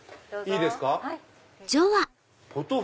いいですか？